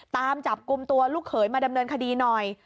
ตามจับกลุ่มตัวลูกเขยมาดำเนินคดีหน่อย